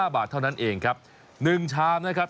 บาทเท่านั้นเองครับ๑ชามนะครับ